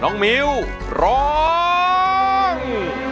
น้องมิวร้อง